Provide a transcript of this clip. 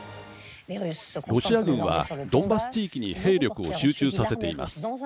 ロシア軍はドンバス地域に兵力を集中させています。